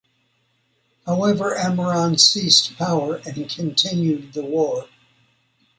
However, Ammoron seized power and continued the war.